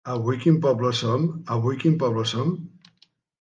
Avui quin poble som?